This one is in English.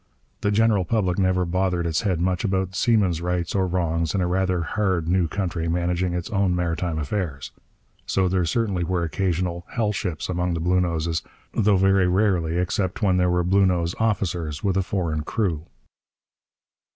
The general public never bothered its head much about seamen's rights or wrongs in a rather 'hard' new country managing its own maritime affairs. So there certainly were occasional 'hell ships' among the Bluenoses, though very rarely except when there were Bluenose officers with a foreign crew.